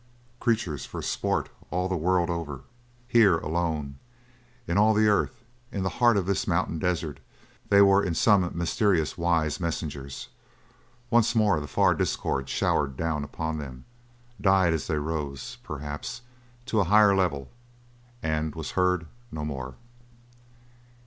Creatures for sport all the world over; here alone, in all the earth, in the heart of this mountain desert, they were in some mysterious wise messengers. Once more the far discord showered down upon them, died as they rose, perhaps, to a higher level, and was heard no more.